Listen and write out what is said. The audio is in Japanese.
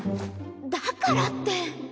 だからって。